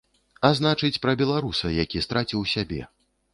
А значыць пра беларуса, які страціў сябе.